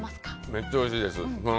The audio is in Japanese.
めっちゃおいしいです。